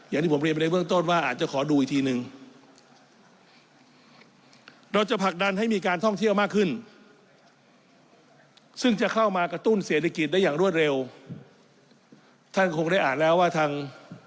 ซึ่งจะเข้ามากระตุ้นเศรษฐกิจได้อย่างรวดเร็วท่านคงได้อ่านแล้วว่าทาง